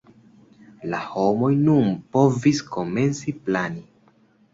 La homoj nun povis komenci plani.